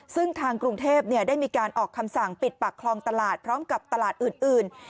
ซึ่งทางกรุงเทพได้มีการออกคำสั่งปิดปากคลองตลาดพร้อมกับตลาดอื่น